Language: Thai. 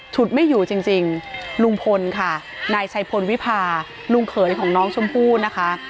ฉุดไม่อยู่จริงลุงพลค่ะนายชัยพลวิพาลุงเขยของน้องชมพู่นะคะ